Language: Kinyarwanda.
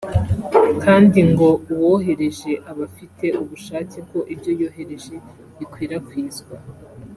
kandi ngo uwohereje aba afite ubushake ko ibyo yohereje bikwirakwizwa